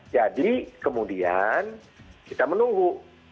jadi kemudian kita menunggu